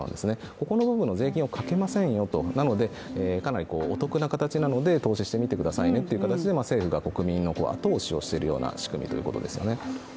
ここの部分の税金をかけませんよと、かなりお得な形なので投資してみてくださいねということで政府が国民の後押しをしている形ですね。